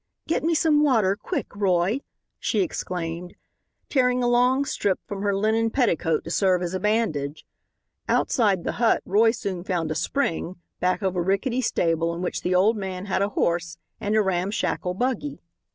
"Get me some water quick, Roy," she exclaimed, tearing a long strip from her linen petticoat to serve as a bandage. Outside the hut, Roy soon found a spring, back of a rickety stable in which the old man had a horse and a ramshackle buggy.